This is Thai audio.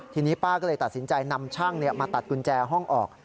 ทีนี้ป้าก็เลยตัดสินใจนำช่างมาตัดกุญแจห้องออก